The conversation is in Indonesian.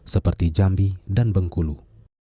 seperti jambi dan bengkulu